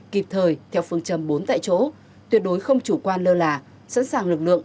kịp thời theo phương châm bốn tại chỗ tuyệt đối không chủ quan lơ là sẵn sàng lực lượng